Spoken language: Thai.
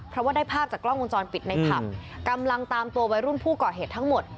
เพราะว่าได้ภาพจากกล้องวงจรปิดในผับกำลังตามตัววัยรุ่นผู้ก่อเหตุทั้งหมด